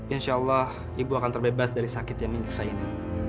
insya allah ibu akan terbebas dari sakit yang menyiksa ini